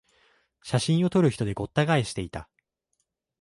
写真を撮る人でごった返していた